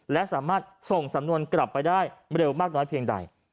และสามารถส่งสำนวนกลับไปได้เร็วมากน้อยเพียงใด